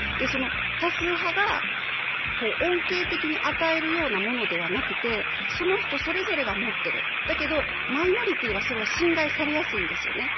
多数派が恩恵的に与えるようなものではなくてその人それぞれが持っている、だけど、マイノリティーは、それは侵害されやすいんですよね。